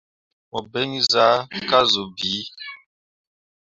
Mu biŋ zaa ka zuu bii.